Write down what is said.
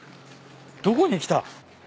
どこに来た？